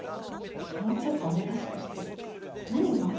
もうちょっと姉らしくしてよ何が？